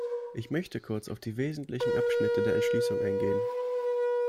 Ich möchte kurz auf die wesentlichen Abschnitte der Entschließung eingehen.